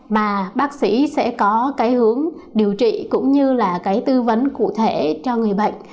mà bác sĩ sẽ có cái hướng điều trị cũng như là cái tư vấn cụ thể cho người bệnh